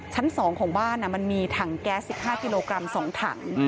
ชั้น๒ของบ้านมันมีถังแก๊ส๑๕กิโลกรัม๒ถัง